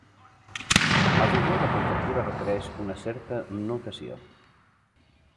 Afirmar la conjectura requereix una certa notació.